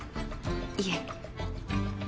いえ。